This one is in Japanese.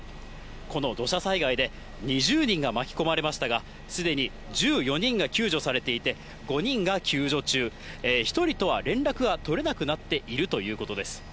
この土砂災害で、２０人が巻き込まれましたが、すでに１４人が救助されていて、５人が救助中、１人とは連絡が取れなくなっているということです。